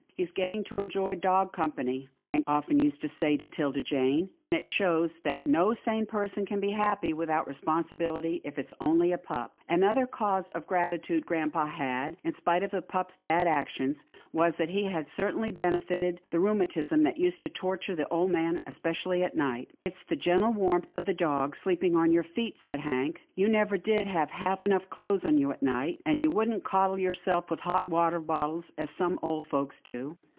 " He's getting to enjoy dog company," Hank often used to say to 'Tilda Jane, " and it shows that no sane person can be happy without respon sibility, if it's only a pup." Another cause of gratitude Grampa had, in spite of the pup's bad actions, was that he had certainly benefited the rheumatism that used to torture the old man especially at night. " It's the gentle warmth of the dog sleeping on your feet," said Hank. " You never did have half enough clothes on you at night, and you wouldn't coddle yourself with hot water bottles, as some old folks do."